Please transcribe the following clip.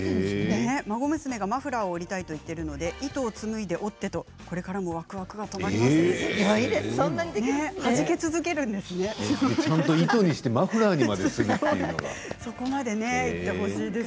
孫娘がマフラーを織りたいと言っているので糸を紡いで織ってとこれからもわくわくが止まりませんということです。